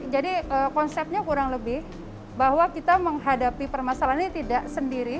jadi konsepnya kurang lebih bahwa kita menghadapi permasalahan ini tidak sendiri